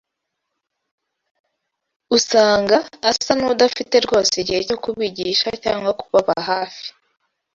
Usanga asa n’udafite rwose igihe cyo kubigisha cyangwa kubaba hafi